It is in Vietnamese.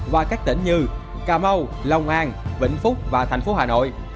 và các tỉnh như cà mau long an vĩnh phúc và thành phố hà nội